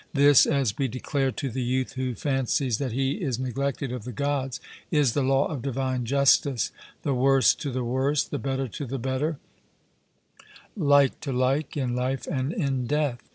This, as we declare to the youth who fancies that he is neglected of the Gods, is the law of divine justice the worse to the worse, the better to the better, like to like, in life and in death.